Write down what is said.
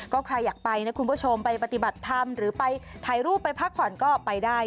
ก็ใครอยากไปนะคุณผู้ชมไปปฏิบัติธรรมหรือไปถ่ายรูปไปพักผ่อนก็ไปได้